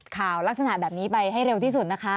ข่าวลักษณะแบบนี้ไปให้เร็วที่สุดนะคะ